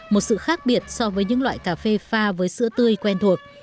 một sự khác biệt so với những loại cà phê pha với sữa tươi quen thuộc